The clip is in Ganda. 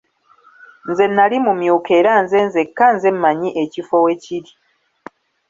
Nze nali mumyuka era nze nzekka nze mmanyi ekifo we kiri.